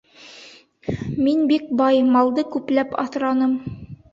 Мин бик бай, малды күпләп аҫраным.